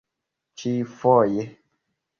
ĉiufoje